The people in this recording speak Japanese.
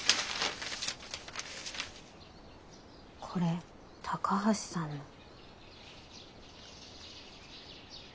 これ高橋さんの。